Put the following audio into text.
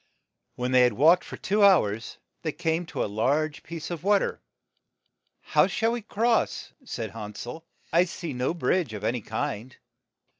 When they had walked for two hours, they came to a large piece of water. '' How shall we cross ?'' said Han sel. "I see no bridge of any kind.